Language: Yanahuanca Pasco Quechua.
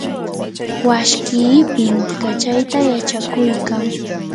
washkii pintikachayta yachakuykan.